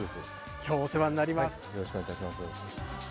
今日お世話になります。